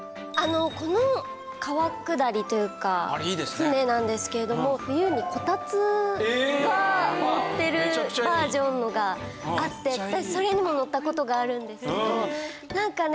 この川下りというか舟なんですけれども冬にこたつがのってるバージョンのがあって私それにも乗った事があるんですけどなんかね